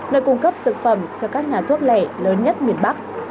nơi cung cấp dược phẩm cho các nhà thuốc lẻ lớn nhất miền bắc